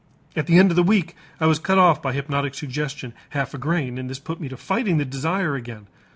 At the end of the week I was cut off by hypnotic suggestion half a grain and this put me to fighting the desire again.